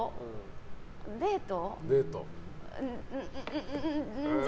デート？